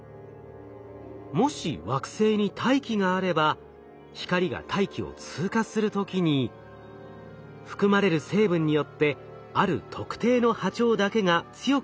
もし惑星に大気があれば光が大気を通過する時に含まれる成分によってある特定の波長だけが強く吸収されます。